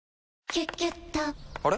「キュキュット」から！